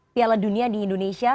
piala dunia di indonesia